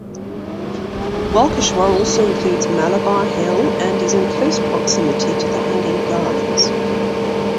Walkeshwar also includes Malabar Hill, and is in close proximity to the Hanging Gardens.